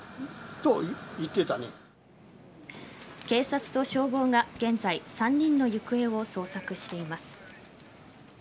警察と消防が現在３人の行方を捜索しています。